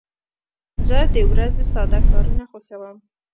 زه د ورځې ساده کارونه خوښوم.